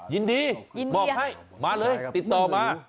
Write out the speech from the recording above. ยินดีบอกให้มาเลยติดต่อมา